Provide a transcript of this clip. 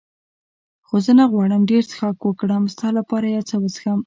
خو زه نه غواړم ډېر څښاک وکړم، ستا لپاره یو څه څښم.